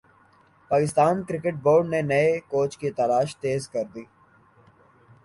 Pakistan cricket board نے نئے coach کی تلاش تیز کر دی